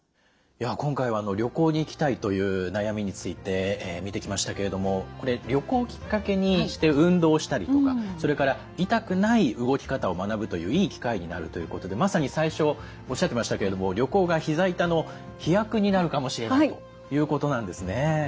今回は旅行に行きたいという悩みについて見てきましたけれどもこれ旅行をきっかけにして運動したりとかそれから痛くない動き方を学ぶといういい機会になるということでまさに最初おっしゃってましたけれども旅行がひざ痛の秘薬になるかもしれないということなんですね。